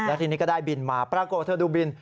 แล้วทีนี้ก็ได้บินมาปรากฏเธอดูบิน